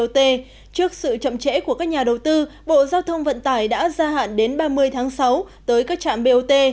trước sự chậm trễ của các nhà đầu tư bộ giao thông vận tải đã gia hạn đến ba mươi tháng sáu tới các trạm bot